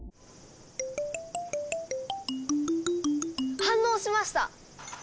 反応しました！